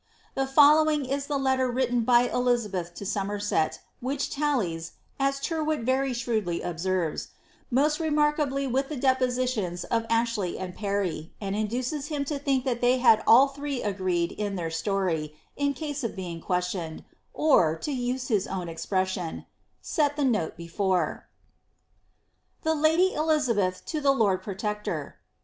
The following is the letter written by Elizabeth to Somerset, which tallies, as Tyrwhit very shrewdly observes, most remarkably with the depositions of Ashley and Parry, and induces him to think that they had all three agreed in their story, in case of being questioned, or, to use his own ex^ pression, ^ set the note before." * Ths Ladt Euzabeth to thk Lord PRoncrroR.